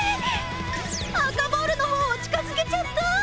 赤ボールの方を近づけちゃった！